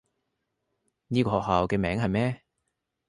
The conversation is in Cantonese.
呢個學校嘅名係咩？